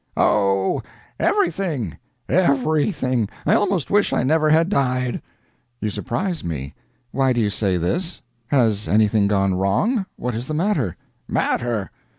"Oh, everything, everything. I almost wish I never had died." "You surprise me. Why do you say this? Has anything gone wrong? What is the matter?" "Matter!